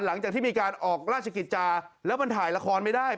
หลังจากที่มีการออกราชกิจจาแล้วมันถ่ายละครไม่ได้